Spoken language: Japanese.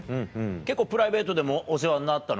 結構プライベートでもお世話になったの？